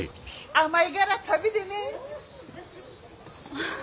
甘いがら食べでね。